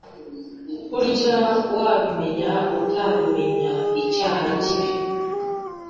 burya wabimenya utabimenya icyaha nikibi